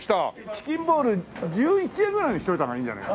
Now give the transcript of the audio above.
チキンボール１１円ぐらいにしておいた方がいいんじゃない？